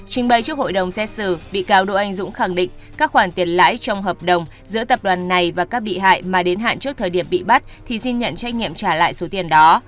trình bày trước hội đồng xét xử bị cáo đỗ anh dũng khẳng định các khoản tiền lãi trong hợp đồng giữa tập đoàn này và các bị hại mà đến hạn trước thời điểm bị bắt thì xin nhận trách nhiệm trả lại số tiền đó